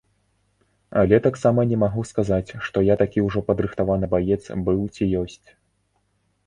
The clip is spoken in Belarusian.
Але таксама не магу сказаць, што я такі ўжо падрыхтаваны баец быў ці ёсць.